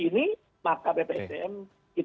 dengan tim memberikan maklumat